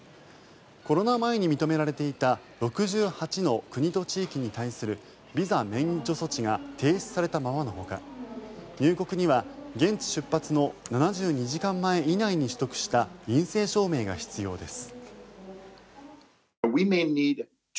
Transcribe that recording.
コロナ前に認められていた６８の国と地域に対するビザ免除措置が停止されたままのほか入国には現地出発の７２時間前以内に取得した陰性証明が必要です。